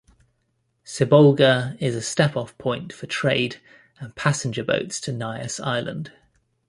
Sibolga is a step off point for trade and passenger boats to Nias Island.